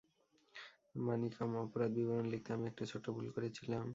মানিকম, অপরাধ বিবরণ লিখতে আমি একটা ছোট্ট ভুল করেছিলাম।